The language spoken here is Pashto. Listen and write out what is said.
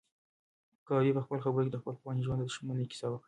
کبابي په خپلو خبرو کې د خپل پخواني ژوند د شتمنۍ کیسه وکړه.